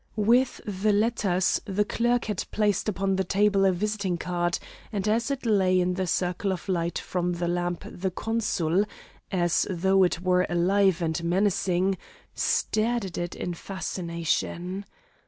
With the letters, the clerk had placed upon the table a visiting card, and as it lay in the circle of light from the lamp the consul, as though it were alive and menacing, stared at it in fascination.